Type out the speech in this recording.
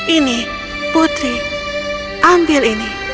ini putri ambil ini